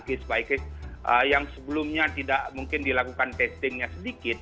kis baiknya yang sebelumnya tidak mungkin dilakukan testingnya sedikit